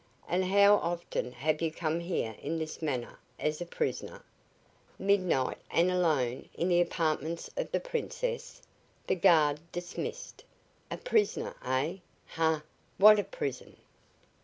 "And how often have you come here in this manner as a prisoner? Midnight and alone in the apartments of the Princess! The guard dismissed! A prisoner, eh? Ha, what a prison!"